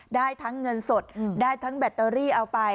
ได้ทั้งเงินสดได้ทั้งแบตเตอรี่เอาไป